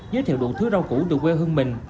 giới thiệu độ thứ rau củ từ quê hương mình